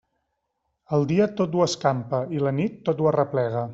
El dia, tot ho escampa, i la nit, tot ho arreplega.